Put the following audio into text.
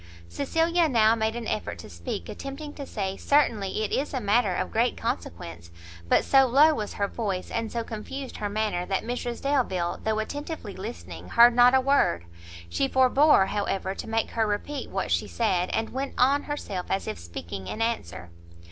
Cecilia now made an effort to speak, attempting to say "Certainly, it is a matter of great consequence;" but so low was her voice, and so confused her manner, that Mrs Delvile, though attentively listening, heard not a word. She forbore, however, to make her repeat what she said, and went on herself as if speaking in answer.